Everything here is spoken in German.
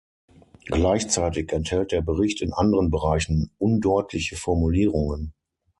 Gleichzeitig enthält der Bericht in anderen Bereichen undeutliche Formulierungen.